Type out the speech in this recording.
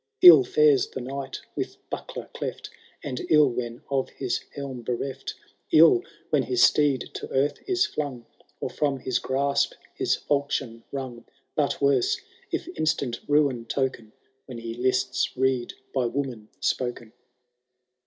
8. « 111 faxes the Knight with buckler cleft, And ill when of his helm berefV— 111 when his steed to earth is flung, Or from, his grasp his falchion wrung ; But worse, if instant ruin token. When he lists rede bj woman spoken.''